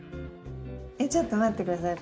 えっちょっと待って下さい。